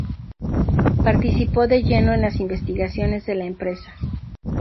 Participó de lleno en las investigaciones de la empresa.